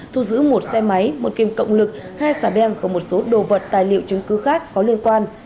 thu giữ một xe máy một kim cộng lực hai xà beng và một số đồ vật tài liệu chứng cứ khác có liên quan